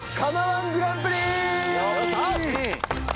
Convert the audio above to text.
よっしゃ！